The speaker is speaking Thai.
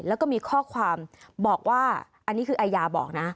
แล้วก็มีข้อความบอกว่าอันนี้คืออายาบอกนะ